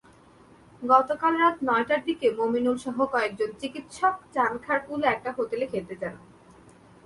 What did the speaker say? গতকাল রাত নয়টার দিকে মোমিনুলসহ কয়েকজন চিকিত্সক চানখাঁরপুলে একটি হোটেলে খেতে যান।